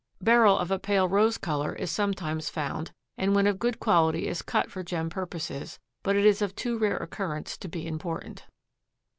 Beryl of a pale rose color is sometimes found, and when of good quality is cut for gem purposes, but it is of too rare occurrence to be important.